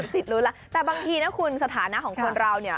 หมดสิทธิ์ลุ้นแล้วแต่บางทีนะคุณสถานะของคนเรา